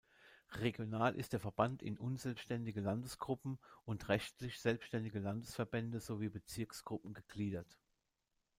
Regional ist der Verband in unselbständige Landesgruppen und rechtlich selbstständige Landesverbände, sowie Bezirksgruppen gegliedert.